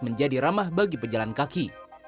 menjadi ramah bagi pejalan kaki